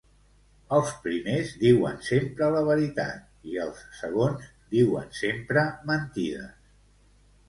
Els primers diuen sempre la veritat, i els segons diuen sempre mentides.